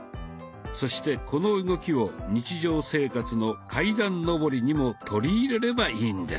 そしてこの動きを日常生活の階段上りにも取り入れればいいんです。